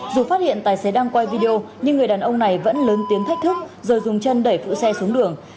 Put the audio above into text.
dù phát hiện tài xế đang quay video nhưng người đàn ông này vẫn lớn tiếng thách thức rồi dùng chân đẩy phụ xe xuống đường